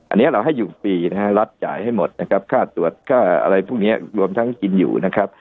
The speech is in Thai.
อันนี้เราให้อยู่ฟรีรัดจ่ายให้หมดค่าตรวจค่าอะไรพวกนี้รวมทั้งกินอยู่